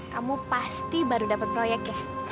kamu pasti baru dapet proyek ya